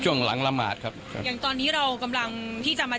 ช่วงหลังละหมาดครับครับอย่างตอนนี้เรากำลังที่จะมา